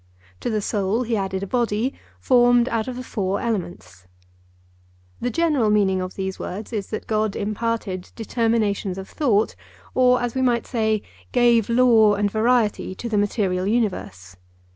To the soul he added a body formed out of the four elements. The general meaning of these words is that God imparted determinations of thought, or, as we might say, gave law and variety to the material universe.